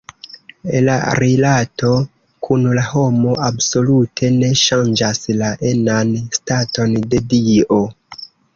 La rilato kun la homo absolute ne ŝanĝas la enan staton de Dio.